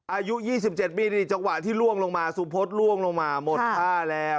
อายุ๒๗ปีนี่จังหวะที่ล่วงลงมาสุพศล่วงลงมาหมดท่าแล้ว